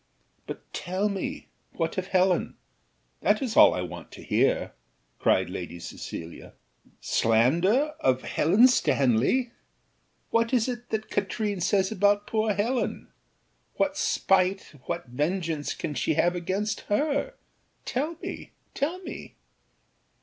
"But tell me, what of Helen? that is all I want to hear," cried Lady Cecilia: "Slander! of Helen Stanley! what is it that Katrine says about poor Helen? what spite, what vengeance, can she have against her, tell me, tell me."